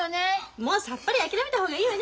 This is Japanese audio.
もうさっぱり諦めた方がいいわね